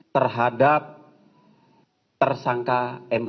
terhadap tersangka mhd